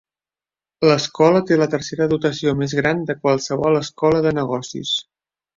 L'escola té la tercera dotació més gran de qualsevol escola de negocis.